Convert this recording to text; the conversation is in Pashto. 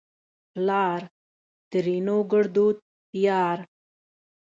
پلار؛ ترينو ګړدود پيار